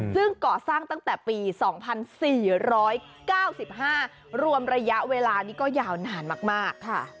ซึ่งก่อสร้างตั้งแต่ปี๒๔๙๕รวมระยะเวลานี้ก็ยาวนานมาก